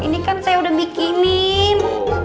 ini kan saya udah bikinin